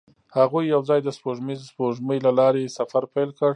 هغوی یوځای د سپوږمیز سپوږمۍ له لارې سفر پیل کړ.